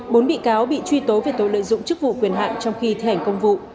bốn bị cáo bị truy tố về tội lợi dụng chức vụ quyền hạn trong khi thi hành công vụ